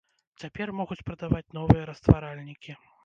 Цяпер могуць прадаваць новыя растваральнікі.